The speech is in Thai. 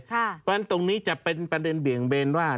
เพราะฉะนั้นตรงนี้จะเป็นประเด็นเบี่ยงเบนว่า